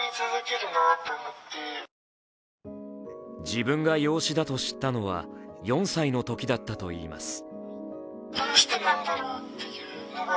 自分が養子だと知ったのは４歳の時だったといいます。